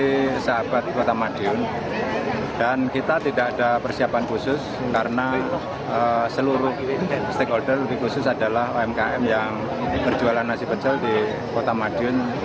ini sahabat kota madiun dan kita tidak ada persiapan khusus karena seluruh stakeholder lebih khusus adalah umkm yang berjualan nasi pecel di kota madiun